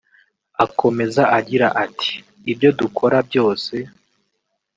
Akomeza agira ati ”Ibyo dukora byose